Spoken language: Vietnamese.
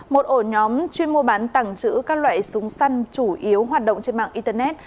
một ổ nhóm chuyên mua bán tặng chữ các loại súng săn chủ yếu hoạt động trên mạng internet